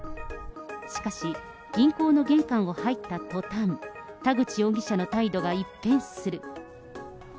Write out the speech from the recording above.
しかし、銀行の玄関を入った途端、田口容疑者の態度が一変する。